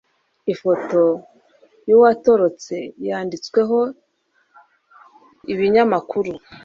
ifoto yuwatorotse yanditsweho ibinyamakuru